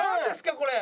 これ！